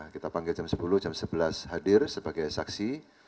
kita panggil jam sepuluh jam sebelas hadir sebagai saksi